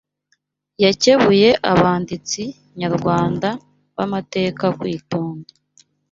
Yakebuye abanditsi nyarwanda b’amateka kwitonda